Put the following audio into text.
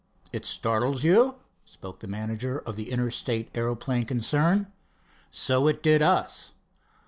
"It startles you?" spoke the manager of the Interstate Aeroplane concern. "So it did us."